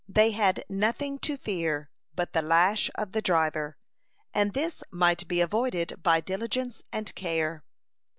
They had nothing to fear but the lash of the driver, and this might be avoided by diligence and care.